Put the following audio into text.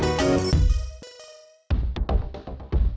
ya ada tiga orang